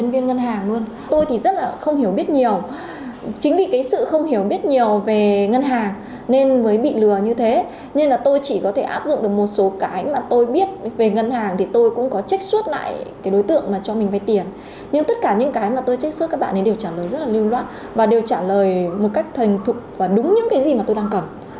với tất cả những cái mà tôi trách xuất các bạn ấy đều trả lời rất là lưu loạn và đều trả lời một cách thành thục và đúng những cái gì mà tôi đang cần